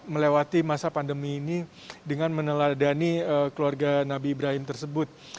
melewati masa pandemi ini dengan meneladani keluarga nabi ibrahim tersebut